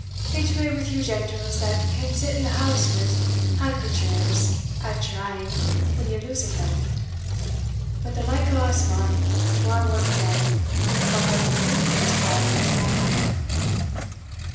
It's weel wi' you gentles, that can sit in the house wi' handkerchers at your een when ye lose a friend; but the like o' us maun to our wark again, if our hearts were beating as hard as my hammer."